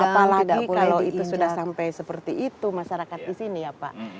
apalagi kalau itu sudah sampai seperti itu masyarakat di sini ya pak